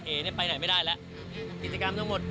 ไปไหนไม่ได้แล้วกิจกรรมทั้งหมด